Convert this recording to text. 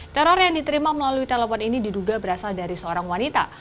teror yang diterima melalui telepon ini diduga berasal dari seorang wanita